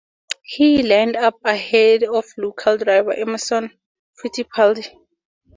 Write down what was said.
He lined up ahead of local driver Emerson Fittipaldi.